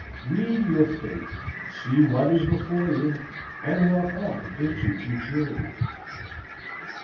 Read your fate, see what is before you, and walk on into futurity.